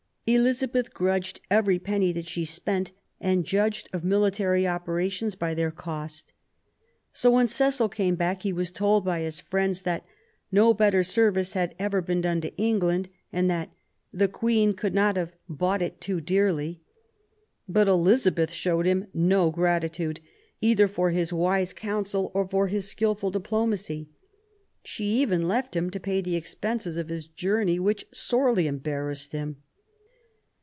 Elizabeth grudged every penny that she spent, and judged of military operations by their cost. So when Cecil came back he was told by his friends that *' no better service had ever been done to England," and that the Queen could not have bought it too dearly ". But Elizabeth showed him no gratitude,. either for his wise counsel or for his skilful diplomacy. She even left him to pay the expenses of his journey, which sorely embarrassed him.